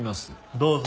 どうぞ。